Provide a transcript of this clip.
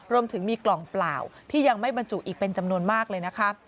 รวมถึงมีกล่องเปล่าที่ยังไม่บรรจุอีกเป็นจำนวนมากเลยนะคะ